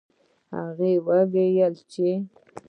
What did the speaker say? هغه وویل چې